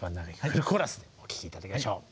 フルコーラスでお聴きいただきましょう。